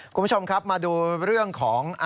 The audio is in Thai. คุณผู้ชมครับมาดูเรื่องของ